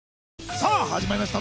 さぁ始まりました。